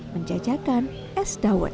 menjajakan dan menjaga kemampuan